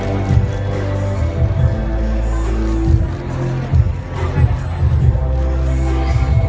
สโลแมคริปราบาล